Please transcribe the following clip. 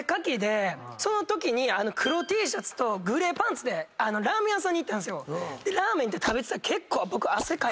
そのときに黒Ｔシャツとグレーパンツでラーメン屋さんに行ったんですよ。でラーメン食べてたら結構汗かいて。